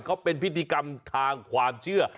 เขาเป็นพิธีกรรมทางความเชื่อ